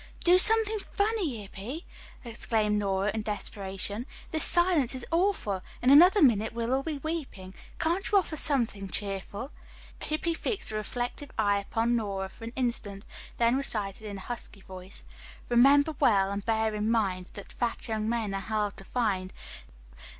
"Do say something funny, Hippy!" exclaimed Nora in desperation. "This silence is awful. In another minute we'll all be weeping. Can't you offer something cheerful?" Hippy fixed a reflective eye upon Nora for an instant, then recited in a husky voice: "Remember well, and bear in mind, That fat young men are hard to find."